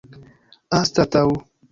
anstataŭ